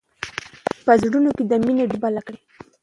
په زړونو کې د مینې ډېوې بلې کړئ.